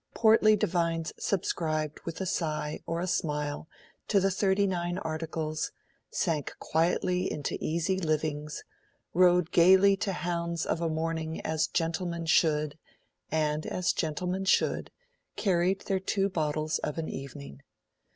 Portly divines subscribed with a sigh or a smile to the Thirty nine Articles, sank quietly into easy living, rode gaily to hounds of a morning as gentlemen should, and, as gentlemen should, carried their two bottles of an evening.